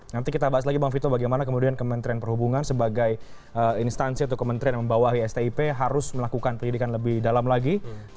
nanti kita bahas lagi bang vito bagaimana kemudian kementerian perhubungan sebagai instansi atau kementerian yang membawahi stip harus melakukan pendidikan lebih dalam lagi